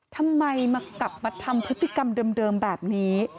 ทำไมมากลับมาทำพฤติกรรมเดิมแบบนี้